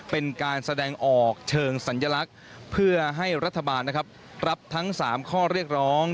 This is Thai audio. เป็นการแสดงออกเชิงสัญลักษณ์เพื่อให้รัฐบาลนะครับรับทั้ง๓ข้อเรียกร้อง